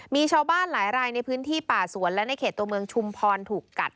มีชาวบ้านหลายรายในพื้นที่ป่าสวนและในเขตตัวเมืองชุมพรถูกกัด